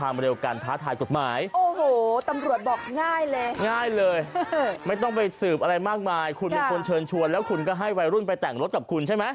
ไม่ต้องไปสืบอะไรมากมายคุณเป็นคนเชิญชวนแล้วคุณก็ให้วัยรุ่นไปแต่งรถกับคุณใช่ไหม